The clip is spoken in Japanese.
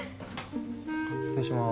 失礼します。